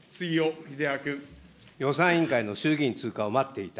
予算委員会の衆議院通過を待っていた。